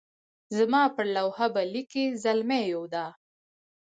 زما پر لوحه به لیکئ زلمیو دا.